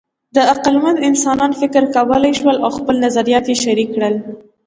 د عقلمن انسانان فکر کولی شول او خپل نظریات یې شریک کړل.